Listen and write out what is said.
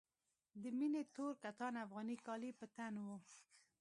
د مينې تور کتان افغاني کالي په تن وو.